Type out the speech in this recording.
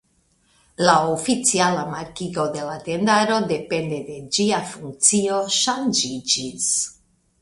La oficiala markigo de la tendaro depende de ĝia funkcio ŝanĝiĝis.